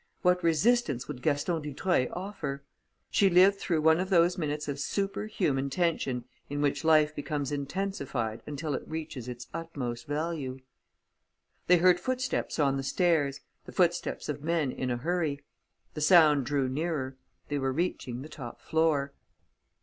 What resistance would Gaston Dutreuil offer? She lived through one of those minutes of superhuman tension in which life becomes intensified until it reaches its utmost value. They heard footsteps on the stairs, the footsteps of men in a hurry. The sound drew nearer. They were reaching the top floor.